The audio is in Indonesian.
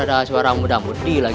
aduh itu siapa gue mau liat ah